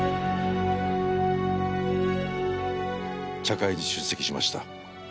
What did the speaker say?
茶会に出席しました。